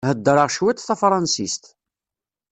Heddṛeɣ cwiṭ tafṛansist.